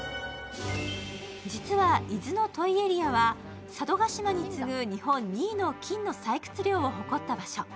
実は、伊豆の土肥エリアは佐渡島に次ぐ日本２位の金の採掘量を誇った場所。